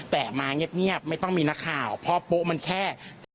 แต่มาเงียบไม่ต้องมีนักข่าวเพราะโป๊ะมันแค่